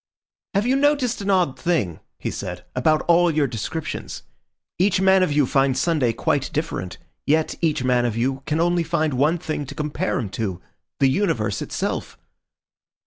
"Have you noticed an odd thing," he said, "about all your descriptions? Each man of you finds Sunday quite different, yet each man of you can only find one thing to compare him to—the universe itself.